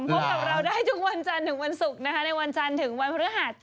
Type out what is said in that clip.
พบกับเราได้ทุกวันจันทร์ถึงวันศุกร์นะคะในวันจันทร์ถึงวันพฤหัส